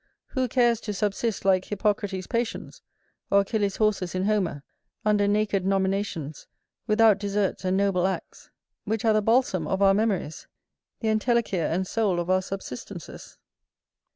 Who cares to subsist like Hippocrates's patients, or Achilles's horses in Homer, under naked nominations, without deserts and noble acts, which are the balsam of our memories, the entelechia and soul of our subsistences?